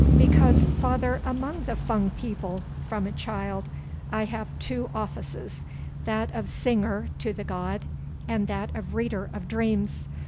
"Because, Father, among the Fung people from a child I have two offices, that of Singer to the God and that of Reader of Dreams.